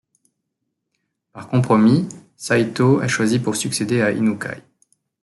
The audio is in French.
Par compromis, Saitō est choisi pour succéder à Inukai.